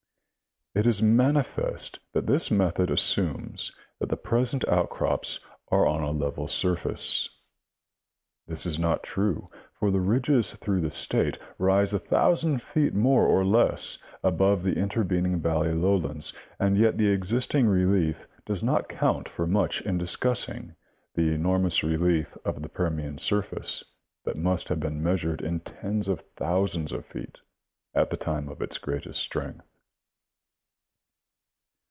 It is manifest that this method assumes that the present outci'ops are on a level surface ; this is not true, for the ridges through the State rise a thousand feet more or less over the intervening valley lowlands, and yet the existing relief does not count for much in discussing the enormous relief of the Permian surface that must have been measured in tens of thousands of feet at the time of its greatest strength.